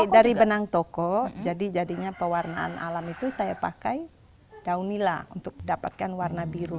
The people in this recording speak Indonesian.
dari benang toko jadi jadinya pewarnaan alam itu saya pakai daun nila untuk mendapatkan warna biru